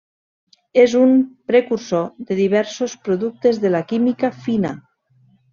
És un precursor de diversos productes de la química fina.